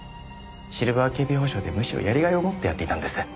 シルバー警備保障でむしろやりがいを持ってやっていたんです。